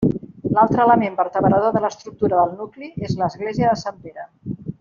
L'altre element vertebrador de l'estructura del nucli és l'església de Sant Pere.